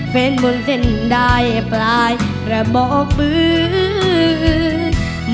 เป็นบนเส้นได้ปลายกระบอกปืน